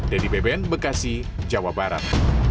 dedy beben bekasi jawa barat